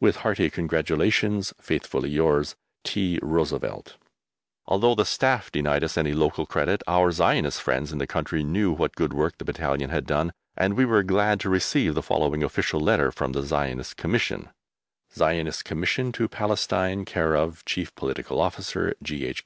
With hearty congratulations, Faithfully yours, T. ROOSEVELT. Although the Staff denied us any local credit, our Zionist friends in the country knew what good work the battalion had done, and we were glad to receive the following official letter from the Zionist Commission: ZIONIST COMMISSION TO PALESTINE, c/o Chief Political Officer, G.H.